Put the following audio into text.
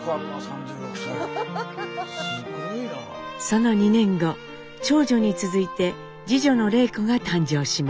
その２年後長女に続いて次女の礼子が誕生します。